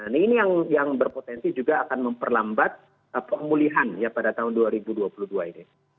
nah ini yang berpotensi juga akan memperlambat pemulihan ya pada tahun dua ribu dua puluh dua ini